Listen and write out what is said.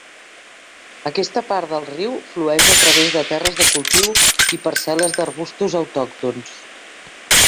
Aquesta part del riu flueix a través de terres de cultiu i parcel·les d'arbustos autòctons.